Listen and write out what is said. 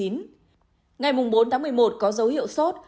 ngày bốn một mươi một có dấu hiệu sốt